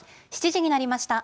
７時になりました。